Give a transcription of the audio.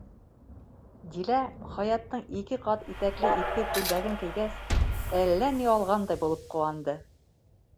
Дилә, Хаяттың ике ҡат итәкле иҫке күлдәген кейгәс, әллә ни алғандай булып ҡыуанды.